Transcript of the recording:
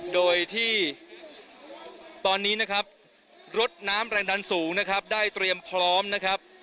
โดยที่ตอนนี้นะครับรถน้ำแรงดันสูงนะครับได้เตรียมพร้อมนะครับ